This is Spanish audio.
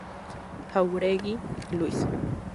Jáuregui, Luis.